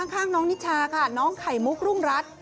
ข้างน้องนิชาค่ะน้องไข่มุกรุ่งรัฐ